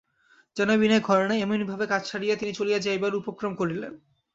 যেন বিনয় ঘরে নাই এমনি ভাবে কাজ সারিয়া তিনি চলিয়া যাইবার উপক্রম করিলেন।